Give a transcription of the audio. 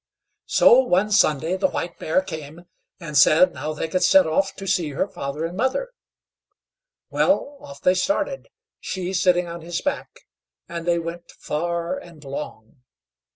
So one Sunday the White Bear came and said, now they could set off to see her father and mother. Well, off they started, she sitting on his back; and they went far and long.